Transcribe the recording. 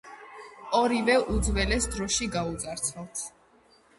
ორივე უძველეს დროში გაუძარცვავთ.